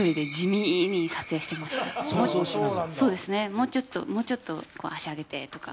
もうちょっと、もうちょっと足上げてとか。